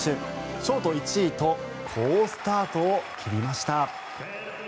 ショート１位と好スタートを切りました。